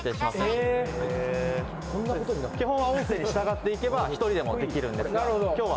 ・・へぇ・基本は音声に従っていけば１人でもできるんですが今日は。